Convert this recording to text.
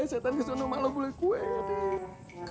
setan kesana malu beli kue